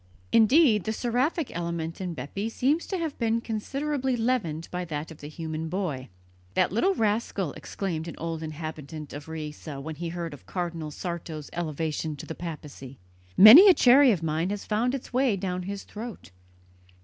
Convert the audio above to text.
Indeed, the seraphic element in Bepi seems to have been considerably leavened by that of the human boy. "That little rascal!" exclaimed an old inhabitant of Riese when he heard of Cardinal Sarto's elevation to the papacy, "Many a cherry of mine has found its way down his throat!"